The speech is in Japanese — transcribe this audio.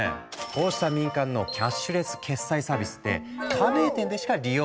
こうした民間のキャッシュレス決済サービスって加盟店でしか利用できない。